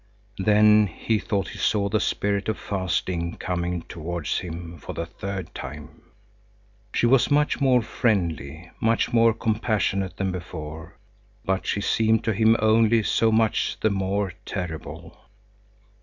Then he thought he saw the Spirit of Fasting coming towards him for the third time. She was much more friendly, much more compassionate than before; but she seemed to him only so much the more terrible.